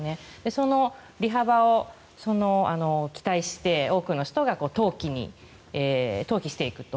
その利幅を期待して多くの人が投棄していくと。